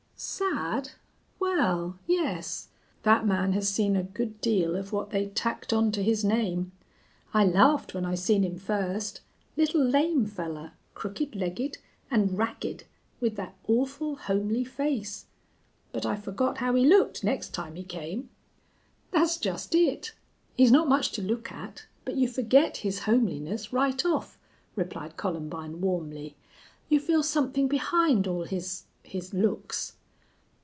"Sad? Wal, yes. That man has seen a good deal of what they tacked on to his name. I laughed when I seen him first. Little lame fellar, crooked legged an' ragged, with thet awful homely face! But I forgot how he looked next time he came." "That's just it. He's not much to look at, but you forget his homeliness right off," replied Columbine, warmly. "You feel something behind all his his looks."